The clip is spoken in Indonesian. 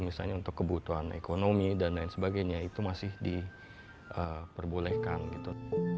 misalnya untuk kebutuhan ekonomi dan lain sebagainya itu masih diperbolehkan gitu